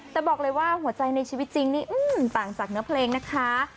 แต่บอกเลยว่าหัวใจในชีวิตจริงนี่ต่างจากเนื้อเพลงนะคะ